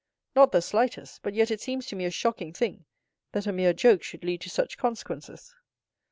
"Not the slightest, but yet it seems to me a shocking thing that a mere joke should lead to such consequences."